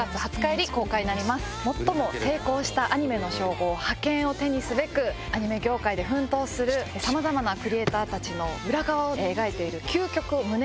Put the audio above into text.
最も成功したアニメの称号覇権を手にすべくアニメ業界で奮闘するさまざまなクリエーターたちの裏側を描いている究極胸